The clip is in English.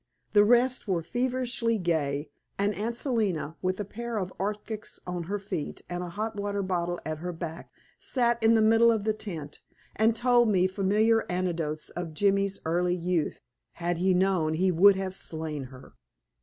The rest were feverishly gay, and Aunt Selina, with a pair of arctics on her feet and a hot water bottle at her back, sat in the middle of the tent and told me familiar anecdotes of Jimmy's early youth (had he known, he would have slain her).